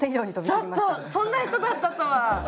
ちょっとそんな人だったとは。